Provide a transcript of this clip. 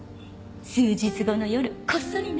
数日後の夜こっそりね。